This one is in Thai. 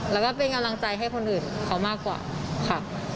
แล้วก็เป็นกำลังใจให้คนอื่นเขามากกว่าค่ะ